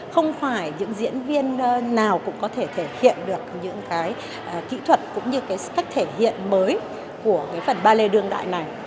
không phải những diễn viên nào cũng có thể thể hiện được những cái kỹ thuật cũng như cái cách thể hiện mới của cái phần ba lê đương đại này